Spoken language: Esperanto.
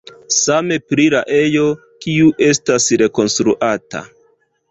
Same pri la ejo, kiu estas rekonstruata.